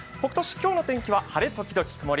今日の天気は晴れ時々曇り。